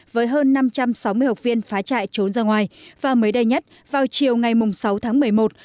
với hơn năm trăm sáu mươi học viên phá chạy trốn ra ngoài và mới đây nhất vào chiều ngày sáu tháng một mươi một